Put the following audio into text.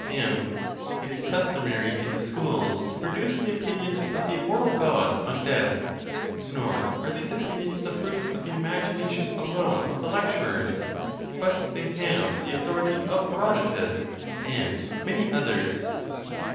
MM, It is customary, in the schools, to produce the opin ions of the immortal Gods on death; nor are these opin ions the fruits of the imagination alone of the lecturers, but they have the authority of Herodotus and many oth ers.